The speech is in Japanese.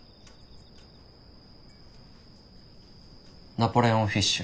ナポレオンフィッシュ。